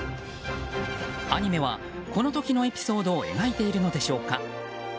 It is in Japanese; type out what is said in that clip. アニメはこの時のエピソードを描いているのでしょうか。